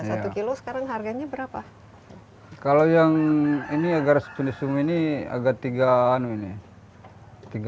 satu kilo sekarang harganya berapa kalau yang ini agar sepenuh sum ini agak tiga anu ini tiga